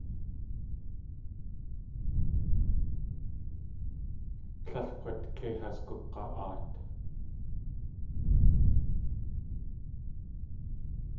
Tlél k̲ut kei has gug̲a.aat.